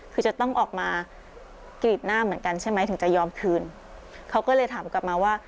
คือจะต้องออกมากรีดหน้าเหมือนกันใช่ไหมถึงจะยอมคืนเขาก็เลยถามกลับมาว่า